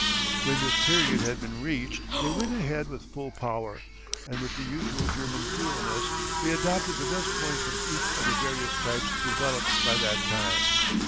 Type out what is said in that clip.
When this period had been reached they went ahead with full power, and with the usual German thoroughness they adopted the best points from each of the various types developed by that time.